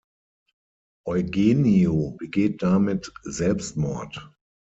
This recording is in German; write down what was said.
Eugenio begeht damit Selbstmord.